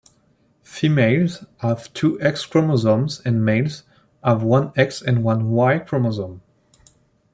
Females have two X chromosomes and males have one X and one Y chromosome.